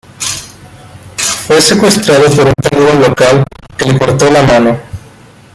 Fue secuestrado por un caníbal local que le cortó la mano.